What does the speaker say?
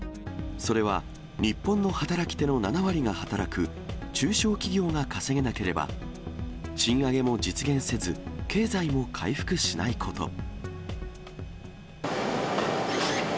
それは、日本の働き手の７割が働く、中小企業が稼げなければ、賃上げも実現せず、経済も回復しないこと。